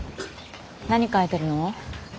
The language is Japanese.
何描いてるの？